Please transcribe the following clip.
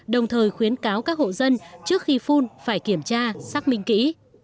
đồng thời khuyến cáo các hộ dân trước khi phun phải kiểm tra xác minh kỹ